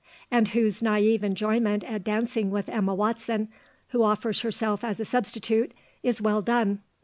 '" and whose naïve enjoyment at dancing with Emma Watson, who offers herself as a substitute, is well done.